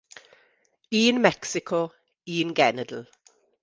Un Mecsico, un genedl.